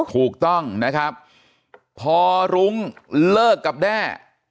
ถูกต้องนะครับพอรุ้งเลิกกับแด้